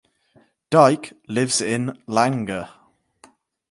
Dike lives in Langa.